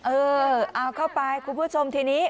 เออเอาเข้าไปคุณผู้ชมทีนี้